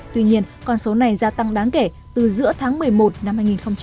tuy nhiên con số này gia tăng đáng kể từ giữa tháng một mươi một năm hai nghìn một mươi chín